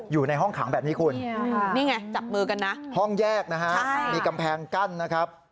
อยู่ในห้องขังแบบนี้คุณนี่ไงจับมือกันนะห้องแยกนะฮะมีกำแพงกั้นนะครับ